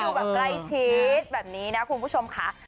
อยู่แบบใกล้ชิดแบบนี้นะคุณผู้ชมค่ะ